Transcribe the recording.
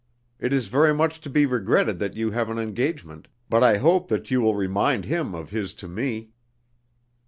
It is very much to be regretted that you have an engagement, but I hope that you will remind him of his to me."